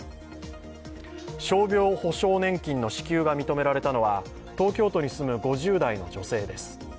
傷病補償年金の支給が認められたのは東京都に住む５０代の女性です。